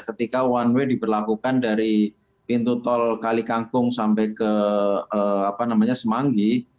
ketika one way diberlakukan dari pintu tol kalikangkung sampai ke semanggi